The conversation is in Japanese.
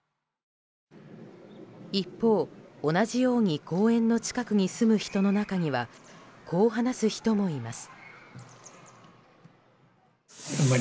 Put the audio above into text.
一方、同じように公園の近くに住む人の中にはこう話す人もいます。